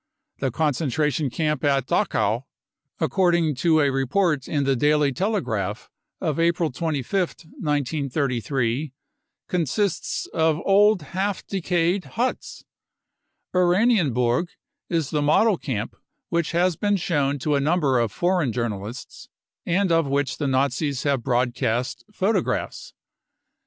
The concentration camp at Dachau, according to a report in the Daily Telegraph of April 25th, 1933, consists of old half decayed huts. Oranienburg is the model camp which has been shown to a number of foreign journalists, and of which the Nazis have broadcast photographs.